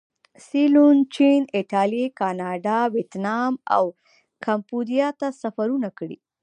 سیلون، چین، ایټالیې، کاناډا، ویتنام او کمبودیا ته سفرونه کړي.